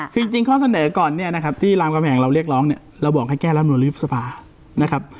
คือจริงข้อเสนอก่อนเนี่ยนะครับที่รามกำแหงเราเรียกร้องเนี่ยเราบอกให้แก้รำนวนรีบสภานะครับ